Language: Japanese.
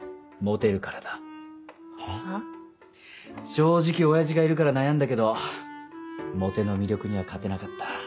正直親父がいるから悩んだけどモテの魅力には勝てなかった。